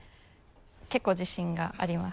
結構自信があります。